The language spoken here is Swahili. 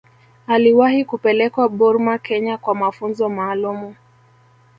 Aliwahi kupelekwa Burma Kenya kwa mafunzo maalumu